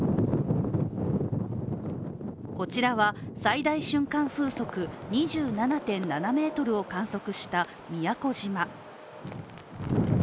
こちらは、最大瞬間風速２７．７メートルを観測した宮古島。